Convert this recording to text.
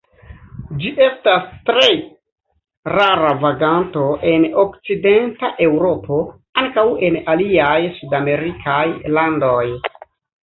Ĝi estas tre rara vaganto en okcidenta Eŭropo; ankaŭ en aliaj sudamerikaj landoj.